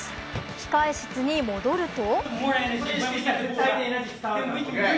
控え室に戻ると。